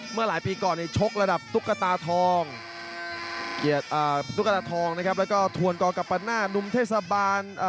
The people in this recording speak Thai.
เกียรตินุกฎาทองนะครับแล้วก็ถวนกวงกับประหน้านุมเทศบาล